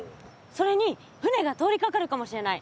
それに船が通りかかるかもしれない。